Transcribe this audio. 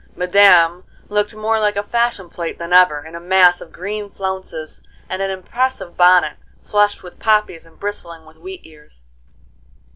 Madame looked more like a fashion plate than ever, in a mass of green flounces, and an impressive bonnet flushed with poppies and bristling with wheat ears.